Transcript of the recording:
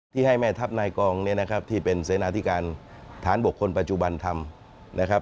ที่ให้แม่ทัพนายกองที่เป็นเสนาธิการฐานบกคนปัจจุบันทำ